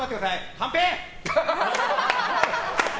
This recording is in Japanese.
カンペ！